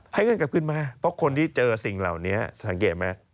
ให้เงินกลับขึ้นมาเพราะคนที่เจอสิ่งเหล่านี้สังเกตไหม